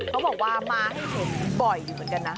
เขาบอกว่ามาให้เห็นบ่อยอยู่เหมือนกันนะ